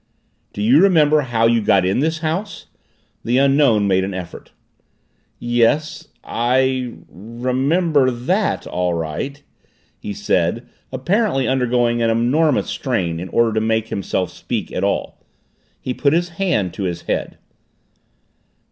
"Do you remember how you got in this house?" The Unknown made an effort. "Yes I remember that all right" he said, apparently undergoing an enormous strain in order to make himself speak at all. He put his hand to his head.